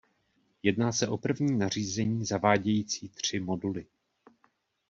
Jedná se o první nařízení, zavádějící tři moduly.